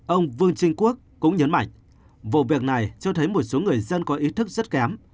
ông vương trinh quốc cũng nhấn mạnh vụ việc này cho thấy một số người dân có ý thức rất kém